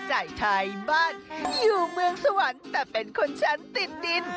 จ่ายไทยบ้านอยู่เมืองสวรรค์แต่เป็นคนชั้นติดดิน